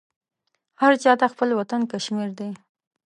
هر چاته خپل وطن کشمير دى.